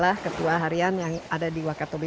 dan sarfil adalah ketua harian yang ada di wakatobi